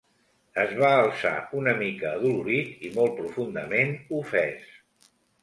Es va alçar una mica adolorit i molt profundament ofès.